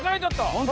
本当？